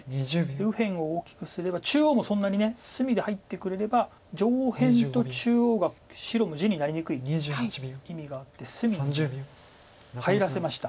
右辺を大きくすれば中央もそんなに隅で入ってくれれば上辺と中央が白も地になりにくい意味があって隅に入らせました。